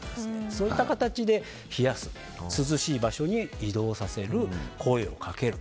そういった形で冷やす涼しい場所に移動させる声をかける。